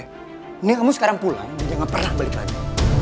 ini kamu sekarang pulang dan jangan pernah balik lagi